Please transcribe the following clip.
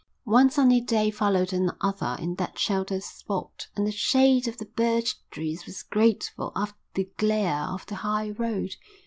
One sunny day followed another in that sheltered spot, and the shade of the birch trees was grateful after the glare of the high road.